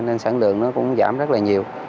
nên sản lượng nó cũng giảm rất là nhiều